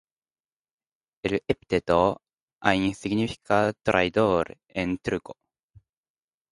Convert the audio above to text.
El epíteto "Hain" significa "traidor" en turco.